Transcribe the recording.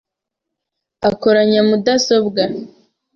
akoranya mudasobwa .